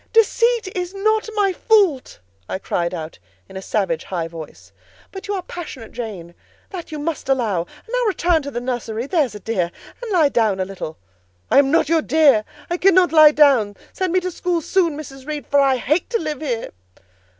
"Deceit is not my fault!" I cried out in a savage, high voice. "But you are passionate, Jane, that you must allow: and now return to the nursery—there's a dear—and lie down a little." "I am not your dear; I cannot lie down: send me to school soon, Mrs. Reed, for I hate to live here."